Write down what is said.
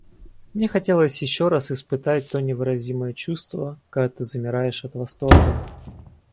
Мне хотелось еще раз испытать то невыразимое чувство, когда ты замираешь от восторга.